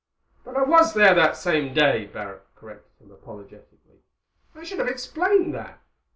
"But I was there that same day," Barrack corrected him apologetically. "I should have explained that.